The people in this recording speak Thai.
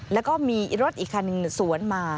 แล้วก็มีรถอีกคันสวนมา